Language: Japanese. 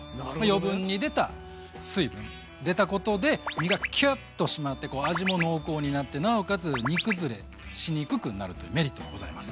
余分に出た水分出たことで身がキュッと締まってこう味も濃厚になってなおかつ煮くずれしにくくなるというメリットもございます。